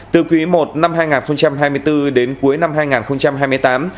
từ quý i năm hai nghìn hai mươi bốn đến cuối năm hai nghìn hai mươi tám